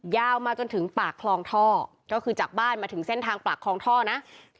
ยาวมาจนถึงปากคลองท่อก็คือจากบ้านมาถึงเส้นทางปากคลองท่อนะ